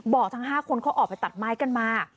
ทั้ง๕คนเขาออกไปตัดไม้กันมา